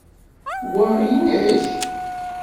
Wa nnek?